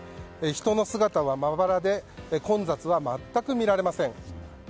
人の姿はまばらで混雑は全く見られません。